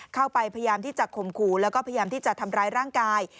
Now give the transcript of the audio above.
พยายามที่จะข่มขู่แล้วก็พยายามที่จะทำร้ายร่างกาย